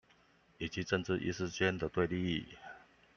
以及政治意識之間的對立